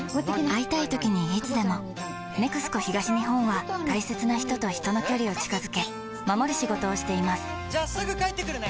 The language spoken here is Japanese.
会いたいときにいつでも「ＮＥＸＣＯ東日本」は大切な人と人の距離を近づけ守る仕事をしていますじゃあすぐ帰ってくるね！